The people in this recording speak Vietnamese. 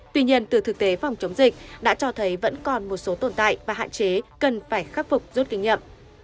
tuy nhiên từ thực tế phòng chống dịch đã cho thấy vẫn còn một số tồn tại và hạn chế cần phải khắc phục rút kinh nghiệm